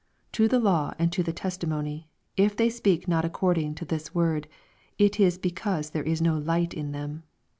— "To the law and to the testimony : if they speak not accord ing to this word, it is because there is no light in them.